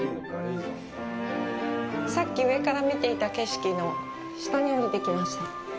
さっき、上から見ていた景色の下に下りてきました。